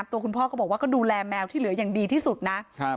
ตัวคุณพ่อก็บอกว่าก็ดูแลแมวที่เหลืออย่างดีที่สุดนะครับ